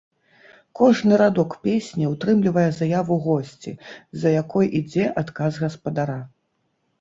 Кожны радок песні ўтрымлівае заяву госці, за якой ідзе адказ гаспадара.